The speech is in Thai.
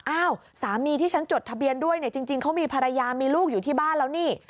อ้าวสามีที่ฉันจดทะเบียนด้วยเนี่ยจริงเขามีภรรยามีลูกอยู่ที่บ้านแล้วนี่